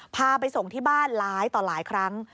พาไปส่งที่บ้านร้ายต่อหลายครั้ง